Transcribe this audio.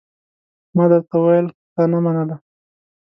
ما درته وويل خو تا نه منله!